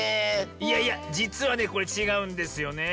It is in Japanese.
いやいやじつはねこれちがうんですよねえ。